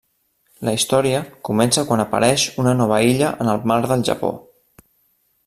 La història comença quan apareix una nova illa en el mar del Japó.